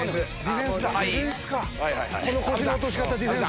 この腰の落とし方ディフェンスだ。